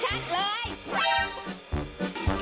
ชัดเลย